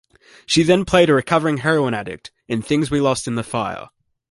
She then played a recovering heroin addict in "Things We Lost in the Fire".